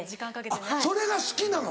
あっそれが好きなの？